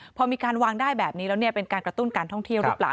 พอมีการวางได้แบบนี้แล้วเป็นการกระตุ้นการท่องเที่ยวหรือเปล่า